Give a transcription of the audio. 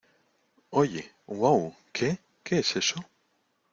¡ Oye! ¡ uau !¿ qué? ¿ qué es eso ?